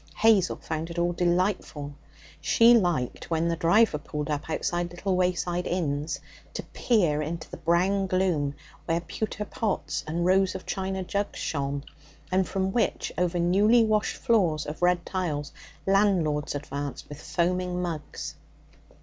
Hazel found it all delightful. She liked, when the driver pulled up outside little wayside inns, to peer into the brown gloom where pewter pots and rows of china jugs shone, and from which, over newly washed floors of red tiles, landlords advanced with foaming mugs.